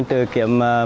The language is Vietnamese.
phải phiền đến gia đình